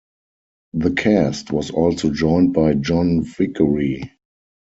The cast was also joined by John Vickery.